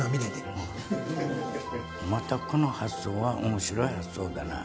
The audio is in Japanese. またこの発想は面白い発想だなあ。